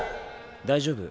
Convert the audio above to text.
大丈夫。